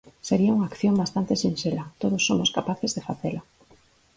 Sería unha acción bastante sinxela, todos somos capaces de facela.